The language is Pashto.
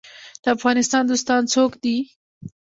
د افغانستان دوستان څوک دي؟